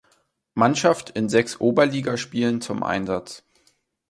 Mannschaft in sechs Oberligaspielen zum Einsatz.